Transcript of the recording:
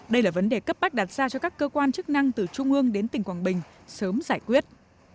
đây là vấn đề cấp bách đặt ra cho các cơ quan chức năng từ trung ương đến tỉnh quảng bình sớm giải quyết